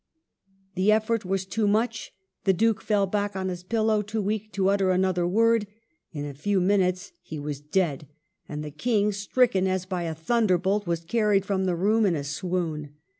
The effort was too much ; the Duke fell back on his pillow, too weak to utter another word. In a few minutes he was dead; and the King, stricken as by a thunderbolt, was carried from the room in a swoon.